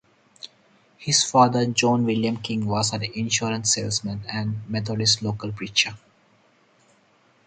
His father John William King was an insurance salesman and Methodist local preacher.